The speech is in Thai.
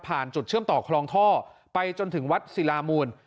จุดเชื่อมต่อคลองท่อไปจนถึงวัดศิลามูล